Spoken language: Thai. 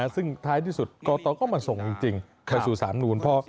ซึ่งท้ายที่สุดกตก็มาส่งจริงไปสู่สารนูน